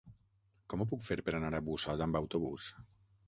Com ho puc fer per anar a Busot amb autobús?